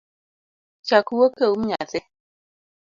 Chak wuok eum nyathi